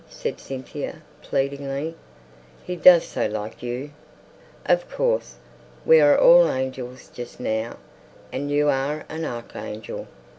said Cynthia, pleadingly. "He does so like you." "Of course. We're all angels just now, and you're an arch angel.